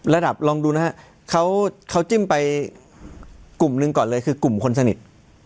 ลองดูนะฮะเขาจิ้มไปกลุ่มหนึ่งก่อนเลยคือกลุ่มคนสนิท